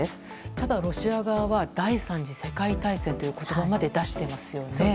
ただ、ロシア側は第３次世界大戦という言葉まで出してますよね。